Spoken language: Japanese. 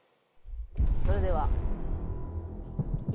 それでは。